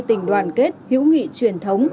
tình đoàn kết hữu nghị truyền thống